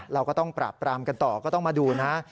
เราก็ต้องปราบปรามกันต่อก็ต้องมาดูนะ